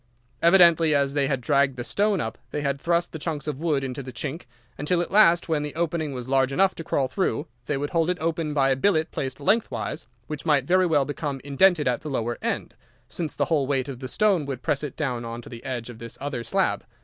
Evidently, as they had dragged the stone up they had thrust the chunks of wood into the chink, until at last, when the opening was large enough to crawl through, they would hold it open by a billet placed lengthwise, which might very well become indented at the lower end, since the whole weight of the stone would press it down on to the edge of this other slab.